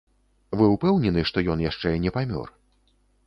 Вы ўпэўнены, што ён яшчэ не памёр?